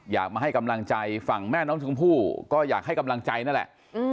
อยากมาให้กำลังใจฝั่งแม่น้องชมพู่ก็อยากให้กำลังใจนั่นแหละ